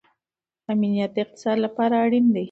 امنیت د اقتصاد لپاره اړین دی.